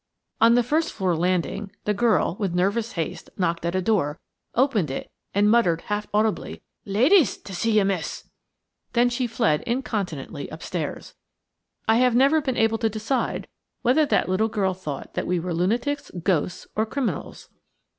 On the first floor landing the girl, with nervous haste, knocked at a door, opened it and muttered half audibly: "Ladies to see you, miss!" Then she fled incontinently upstairs. I have never been able to decide whether that little girl thought that we were lunatics, ghosts, or criminals.